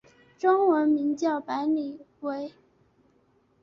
中文名叫白理惟。